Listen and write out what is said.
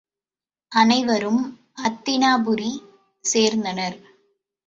அனைவரும் அத்தினாபுரி சேர்ந்தனர்.